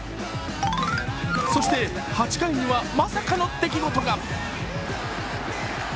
そして８回には、まさかの出来事が。